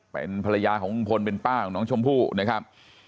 เป็นภรรยาของลุงพลเป็นป้าของน้องชมพู่นะครับ